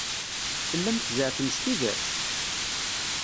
Tellam tzeɛfem s tidet?